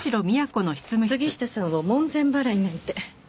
杉下さんを門前払いなんて。